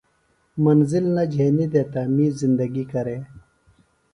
منزل نہ جھینیۡ دےۡ تہ می زندگی کرے۔